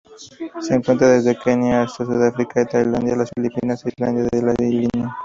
Se encuentra desde Kenia hasta Sudáfrica, Tailandia, las Filipinas e Islas de la Línea.